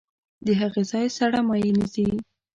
د هغې ځای سړه مایع نیسي.